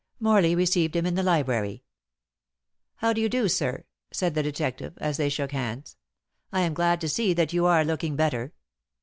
Morley received him in the library. "How do you do, sir?" said the detective, as they shook hands. "I am glad to see that you are looking better."